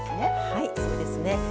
はいそうですね。